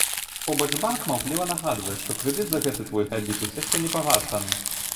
Побач банк маўкліва нагадвае, што крэдыт за гэты твой габітус яшчэ не пагашаны.